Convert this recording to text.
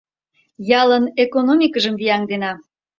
Ялын экономикыжым вияҥдена.